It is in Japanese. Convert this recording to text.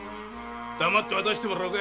黙って渡してもらおうか。